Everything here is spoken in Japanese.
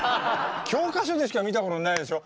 教科書でしか見たことないでしょ。